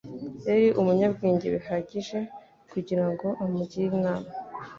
Yari umunyabwenge bihagije kugira ngo amugire inama.